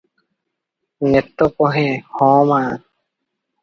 ନେତ କହେ, ହଂ ମାଁ ।